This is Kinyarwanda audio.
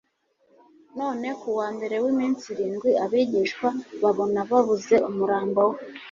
none kuwa mbere w'iminsi irindwi abigishwa babona babuze umurambo we